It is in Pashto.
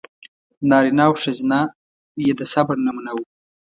نارینه او ښځینه یې د صبر نمونه و.